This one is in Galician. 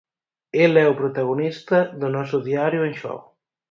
El é o protagonista do noso Diario En Xogo.